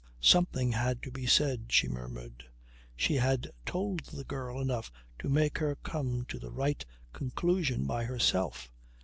Something had to be said, she murmured. She had told the girl enough to make her come to the right conclusion by herself.